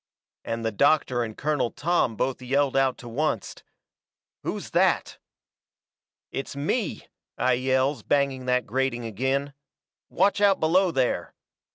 And the doctor and Colonel Tom both yelled out to oncet: "Who's that?" "It's me," I yells, banging that grating agin. "Watch out below there!"